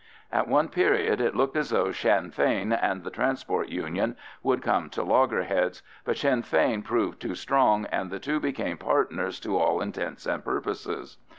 At one period it looked as though Sinn Fein and the Transport Union would come to loggerheads; but Sinn Fein proved too strong, and the two became partners to all intents and purposes.